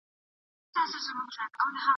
د اعتراض او تَسلط ډلې د دولت لپاره بد حالت جوړوي.